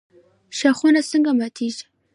ښاخونه څنګه ماتیږي؟